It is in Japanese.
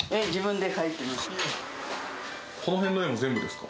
絵、このへんの絵も全部ですか？